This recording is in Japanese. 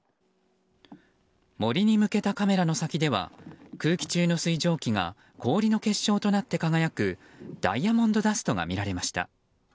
森に向けたカメラの先では空気中の水蒸気が氷の結晶となって輝くダイヤモンドダストが見られました。